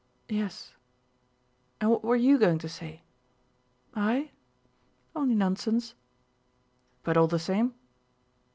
"Yes." "And what were you going to say?" "I? Only nonsense." "But all the same?"